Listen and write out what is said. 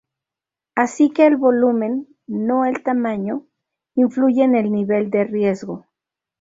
Así que el volumen, no el tamaño, influye en el nivel de riesgo.